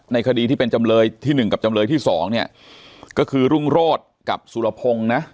คดีที่เป็นจำเลยที่หนึ่งกับจำเลยที่สองเนี่ยก็คือรุ่งโรธกับสุรพงศ์นะ